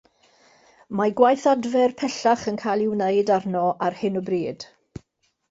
Mae gwaith adfer pellach yn cael ei wneud arno ar hyn o bryd.